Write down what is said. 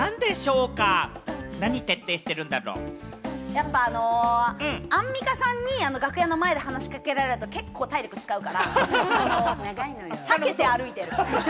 やっぱあの、アンミカさんに楽屋の前で話しかけられると結構体力使うから、避けて歩いてる。